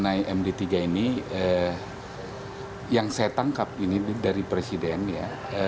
undang undang md iii ini yang saya tangkap ini dari presiden ya